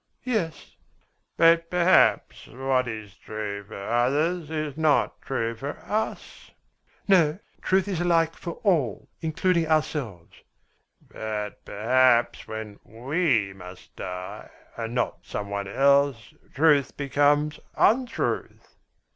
"Yes." "But perhaps what is true for others is not true for us?" "No, truth is alike for all, including ourselves." "But perhaps when we must die and not some one else, truth becomes untruth?"